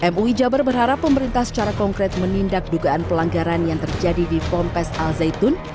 mui jabar berharap pemerintah secara konkret menindak dugaan pelanggaran yang terjadi di pompes al zaitun